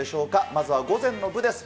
まずは午前の部です。